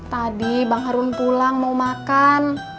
tadi bang harun pulang mau makan